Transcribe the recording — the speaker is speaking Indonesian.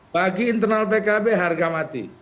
bagi internal pkb harga mati